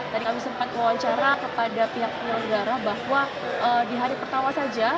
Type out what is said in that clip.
tadi kami sempat wawancara kepada pihak penyelenggara bahwa di hari pertama saja